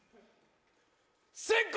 先攻！